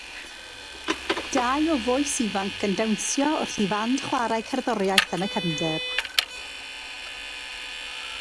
Dau o fois ifanc yn dawnsio wrth i fand chwarae cerddoriaeth yn y cefndir.